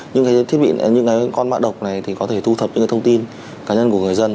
những cái thiết bị những cái con mạ độc này thì có thể thu thập những cái thông tin cá nhân của người dân